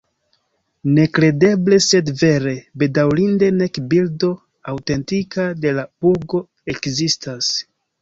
Nekredeble sed vere: bedaŭrinde nek bildo aŭtentika de la burgo ekzistas.